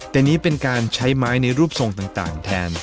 แต่นี่เป็นการใช้ไม้ในรูปทรงต่างแทน